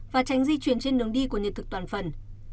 và tránh di chuyển trên đường đi của nhân thực toàn phần